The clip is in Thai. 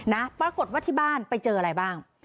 นะปรากฏว่าที่บ้านไปเจออะไรบ้าง